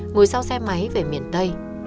ngồi sau xe máy về miền tây